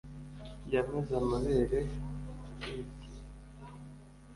yameze amabere n’insya